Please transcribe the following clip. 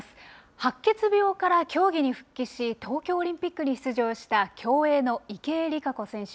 白血病から競技に復帰し、東京オリンピックに出場した、競泳の池江璃花子選手。